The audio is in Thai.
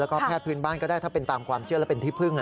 แล้วก็แพทย์พื้นบ้านก็ได้ถ้าเป็นตามความเชื่อและเป็นที่พึ่ง